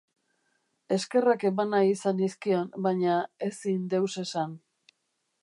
Eskerrak eman nahi izan nizkion, baina ezin deus esan!